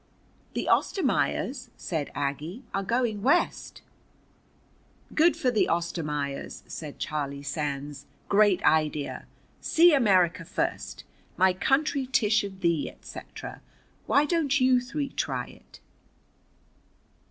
"The Ostermaiers," said Aggie, "are going West." "Good for the Ostermaiers," said Charlie Sands. "Great idea. See America first. 'My Country Tish of Thee,' etc. Why don't you three try it?"